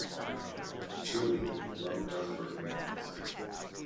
Truly, love does work miracles.